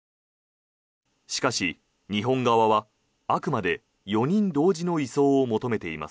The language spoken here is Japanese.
しかし、日本側はあくまで４人同時の移送を求めています。